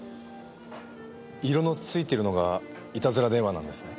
色の付いてるのがいたずら電話なんですね。